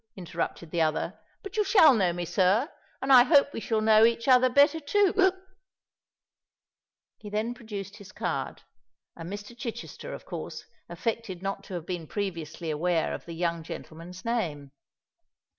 interrupted the other. "But you shall know me, sir—and I hope we shall know each other better too—hic." He then produced his card; and Mr. Chichester, of course, affected not to have been previously aware of the young gentleman's name.